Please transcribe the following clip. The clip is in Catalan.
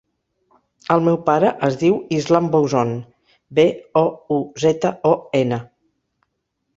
El meu pare es diu Islam Bouzon: be, o, u, zeta, o, ena.